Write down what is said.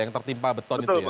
yang tertimpa beton itu ya